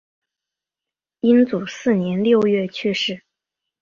英祖四年六月去世。